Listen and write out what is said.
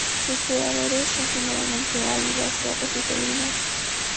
Sus predadores son generalmente águilas, zorros, y felinos.